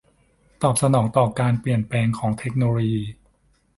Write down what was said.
ตอบสนองต่อการเปลี่ยนแปลงของเทคโนโลยี